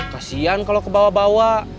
kasian kalau kebawa bawa